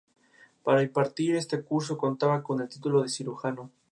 Para impartir este curso contaba con el título de cirujano.